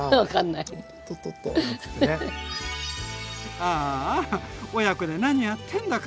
ああ親子で何やってんだか！